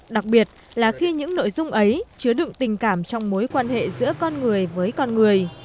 đặc biệt là khi những nội dung ấy chứa đựng tình cảm trong mối quan hệ giữa con người với con người